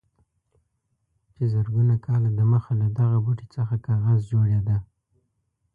چې زرګونه کاله دمخه له دغه بوټي څخه کاغذ جوړېده.